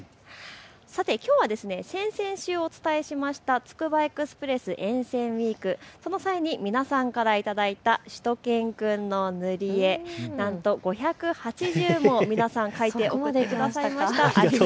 さて、きょうは先々週お伝えしましたつくばエクスプレス沿線ウイーク、その際に皆さんから頂いたしゅと犬くんの塗り絵、なんと５８０も皆さん、描いて送ってくださいました。